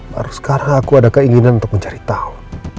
baru sekarang aku ada keinginan untuk mencari tahu